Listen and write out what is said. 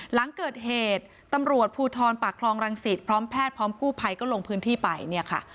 หลังเกิดเหตุตำรวจภูทรปากคลองรังสิตพร้อมแพทย์พร้อมกู้ภัยก็ลงพื้นที่ไปเนี่ยค่ะ